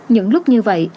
những lúc như vậy